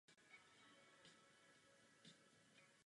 Dobře, budu vám věřit.